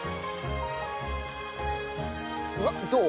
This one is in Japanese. うわっどう？